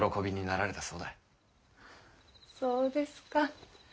そうですか。